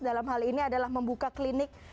dalam hal ini adalah membuka klinik